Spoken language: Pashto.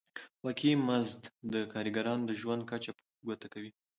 واقعي مزد د کارګرانو د ژوند کچه په ګوته کوي